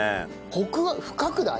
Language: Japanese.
コクが深くない？